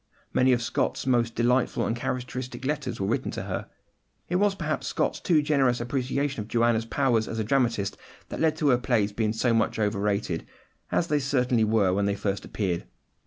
Many of Scott's most delightful and characteristic letters were written to her. It was perhaps Scott's too generous appreciation of Joanna's powers as a dramatist that led to her plays being so much overrated, as they certainly were when they first appeared.